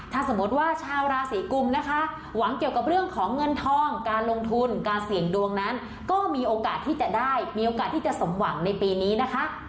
ถ้าสมมติว่าชาวราศีกุมนะคะหวังเกี่ยวกับเรื่องของเงินทองการลงทุนการเสี่ยงดวงนั้นก็มีโอกาสที่จะได้มีโอกาสที่จะสมหวังในปีนี้นะคะ